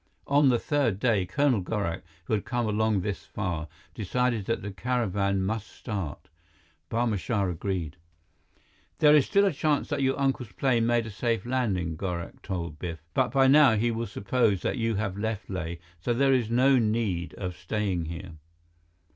On the third day, Colonel Gorak, who had come along this far, decided that the caravan must start. Barma Shah agreed. "There is still a chance that your uncle's plane made a safe landing," Gorak told Biff. "But by now he will suppose that you have left Leh, so there is no need of staying here."